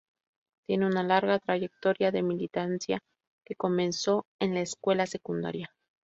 Tiene una larga trayectoria de militancia que comenzó en la escuela secundaria.